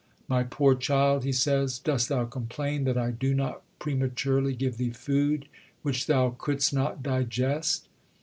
My poor child, He says, dost thou complain that I do not prematurely give thee food which thou couldst not digest?